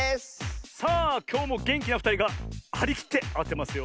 さあきょうもげんきなふたりがはりきってあてますよ。